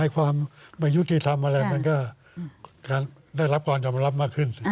ความไม่ยุติธรรมอะไรมันก็ได้รับการยอมรับมากขึ้น